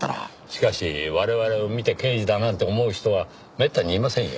しかし我々を見て刑事だなんて思う人はめったにいませんよ。